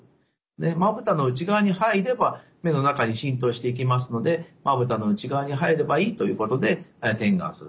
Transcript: でまぶたの内側に入れば目の中に浸透していきますのでまぶたの内側に入ればいいということで点眼する。